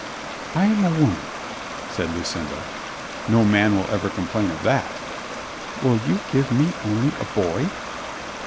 "I am a woman," said Lucinda. "No man will ever complain of that." "Will you give me only a boy?"